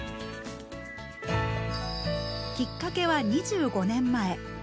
きっかけは２５年前。